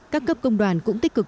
các cấp công đoàn cũng tích cực